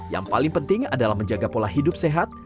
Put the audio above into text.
yang paling penting adalah menjaga pola hidup sehat